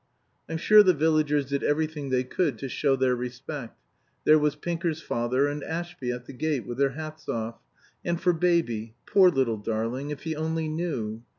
"I'm sure the villagers did everything they could to show their respect. There was Pinker's father, and Ashby, at the gate with their hats off. And for Baby poor little darling, if he only knew!